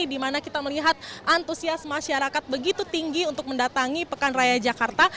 di mana kita melihat antusias masyarakat begitu tinggi untuk mendatangi pekan raya jakarta